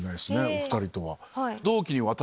お２人とは。